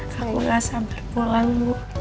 kamu gak sabar pulang bu